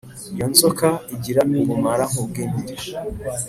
Iyo inzoka igira ubumara nk’ubw’impiri